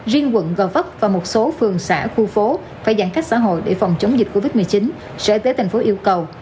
riêng quận gò vấp và một số phường xã khu phố phải giãn cách xã hội để phòng chống dịch covid một mươi chín sở y tế tp hcm yêu cầu